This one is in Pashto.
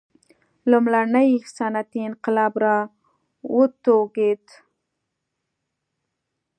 لومړنی صنعتي انقلاب را وټوکېد.